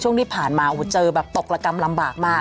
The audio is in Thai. ช่วงที่ผ่านมาโอ้โหเจอแบบตกกรรมลำบากมาก